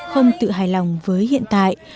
không tự hài lòng với hiện tại